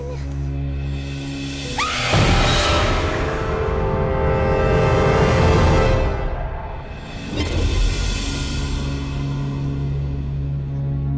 apaan ini pak